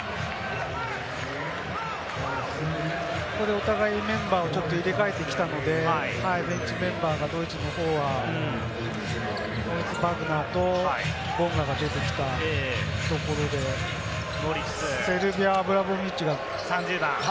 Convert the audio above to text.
お互い、メンバーをちょっと入れ替えてきたので、ベンチメンバーがドイツの方は、バグナーとボンガが出てきたところで、セルビアは、アブラモビッチが。